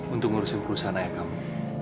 untuk ngurusin perusahaan ayah kamu